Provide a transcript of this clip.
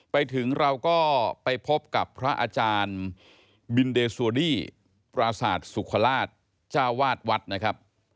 ไปถึงเราก็ไปพบกับพระอาจารย์บินเดโซดี้ปราศาสตร์สุขราชเจ้าวาดวัดนะครับ